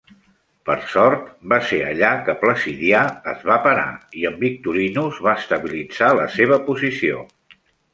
Per sort, va ser allà que Placidià es va parar i en Victorinus va estabilitzar la seva posició.